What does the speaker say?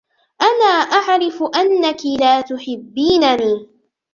انا اعرف انك لا تحبيني